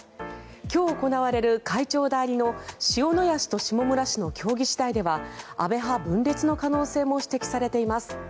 今日行われる会長代理の塩谷氏と下村氏の協議次第では安倍派分裂の可能性も指摘されています。